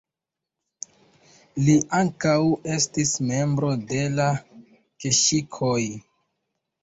Li ankaŭ estis membro de la keŝikoj.